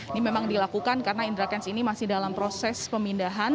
ini memang dilakukan karena indra kents ini masih dalam proses pemindahan